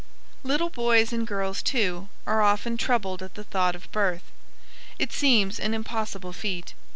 Little boys and girls, too, are often troubled at the thought of birth. It seems an impossible feat.